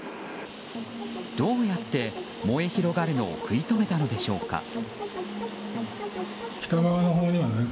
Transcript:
どうやって燃え広がるのを食い止めたのでしょうか。